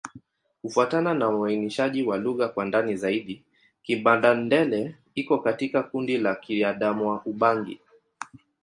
Kufuatana na uainishaji wa lugha kwa ndani zaidi, Kibanda-Ndele iko katika kundi la Kiadamawa-Ubangi.